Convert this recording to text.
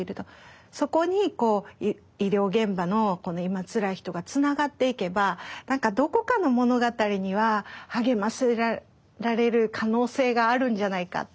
そこに医療現場の今つらい人がつながっていけばどこかの物語には励ませられる可能性があるんじゃないかっていうふうに思って。